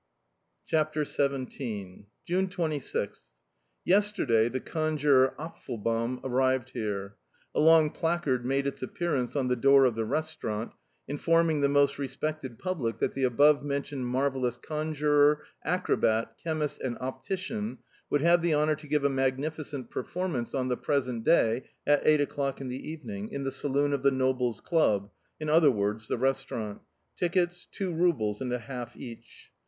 CHAPTER XVII. 26th June. YESTERDAY, the conjurer Apfelbaum arrived here. A long placard made its appearance on the door of the restaurant, informing the most respected public that the above mentioned marvellous conjurer, acrobat, chemist, and optician would have the honour to give a magnificent performance on the present day at eight o'clock in the evening, in the saloon of the Nobles' Club (in other words, the restaurant); tickets two rubles and a half each.